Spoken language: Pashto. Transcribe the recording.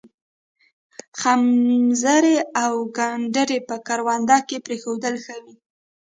خمزوري او گنډري په کرونده کې پرېښودل ښه وي.